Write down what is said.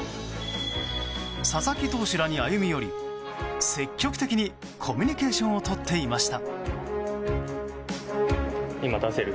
佐々木投手らに歩み寄り積極的にコミュニケーションをとっていました。